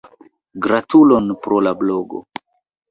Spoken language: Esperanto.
Gratulon pro la blogo.